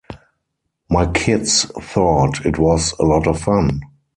My kids thought it was a lot of fun.